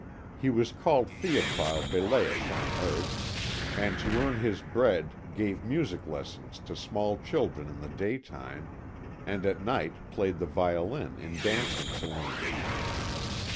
He was called Théophile Belais on earth, and to earn his bread gave music lessons to small children in the day time and at night played the violin in dancing saloons.